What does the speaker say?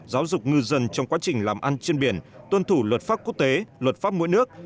giáo dục ngư dân trong quá trình làm ăn trên biển tuân thủ luật pháp quốc tế luật pháp mỗi nước